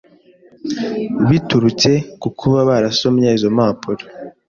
biturutse ku kuba barasomye izo mpapuro.